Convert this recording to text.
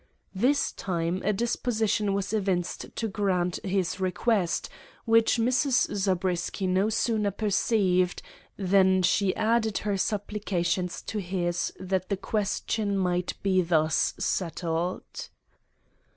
This time a disposition was evinced to grant his request, which Mrs. Zabriskie no sooner perceived, than she added her supplications to his that the question might be thus settled.